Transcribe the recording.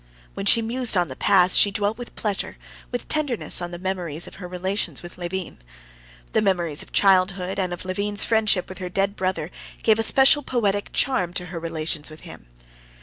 When she mused on the past, she dwelt with pleasure, with tenderness, on the memories of her relations with Levin. The memories of childhood and of Levin's friendship with her dead brother gave a special poetic charm to her relations with him.